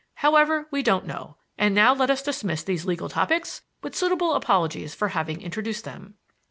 However, we don't know; and now let us dismiss these legal topics, with suitable apologies for having introduced them."